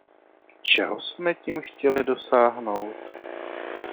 Čeho jsme tím chtěli dosáhnout?